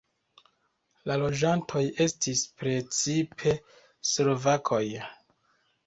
La loĝantoj estis precipe slovakoj.